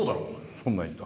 そんないんだ。